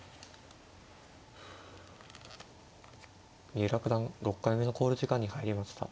三浦九段６回目の考慮時間に入りました。